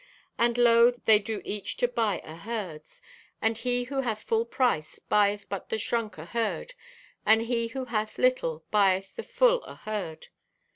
"And lo, they do each to buy o' herds, and he who hath full price buyeth but the shrunk o' herd, and he who hath little, buyeth the full o' herd.